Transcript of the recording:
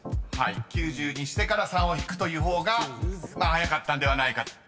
［９０にしてから３を引くという方が早かったんではないか］